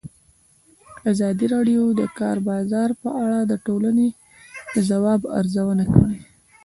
ازادي راډیو د د کار بازار په اړه د ټولنې د ځواب ارزونه کړې.